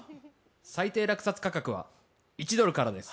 最低落札価格は１ドルからです